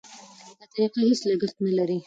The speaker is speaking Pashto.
دا طریقه هېڅ لګښت نه لري.